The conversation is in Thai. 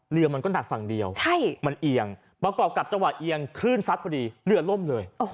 เรือมันก็หนักฝั่งเดียวมันเอียงประกอบกับจังหวะเอียงคลื่นซัดพอดีเรือล่มเลย